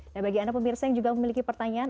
nah bagi anda pemirsa yang juga memiliki pertanyaan